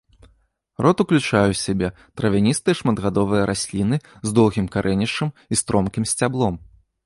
Род уключае ў сябе травяністыя шматгадовыя расліны з доўгім карэнішчам і стромкім сцяблом.